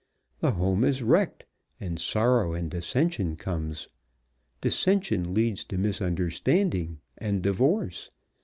The home is wrecked and sorrow and dissention come. Dissention leads to misunderstanding and divorce.